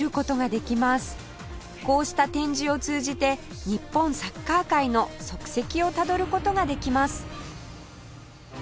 こうした展示を通じて日本サッカー界の足跡をたどる事ができます